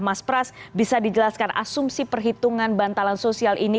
mas pras bisa dijelaskan asumsi perhitungan bantalan sosial ini